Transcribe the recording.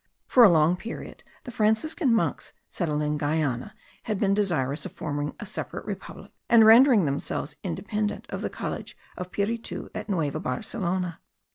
For a long period the Franciscan monks settled in Guiana had been desirous of forming a separate republic, and rendering themselves independent of the college of Piritu at Nueva Barcelona.